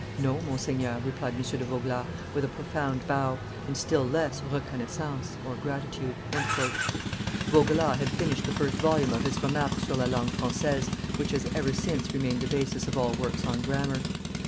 "No, Monsignor," replied M. de Vaugelas, with a profound bow, "and still less reconnaissance (gratitude)." Vaugelas had finished the first volume of his Remarques sur la Langue Francaise, which has ever since reniained the basis of all works on grammar.